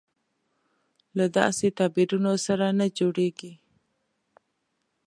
له داسې تعبیرونو سره نه جوړېږي.